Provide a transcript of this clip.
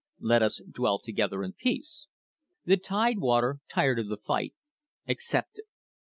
Let us dwell together in peace." The Tidewater, tired of the fight, accepted.